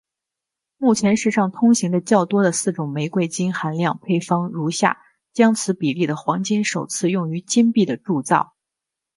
目前世上通行的较多的四种玫瑰金含量配方如下将此比例的黄金首次用于金币的铸造。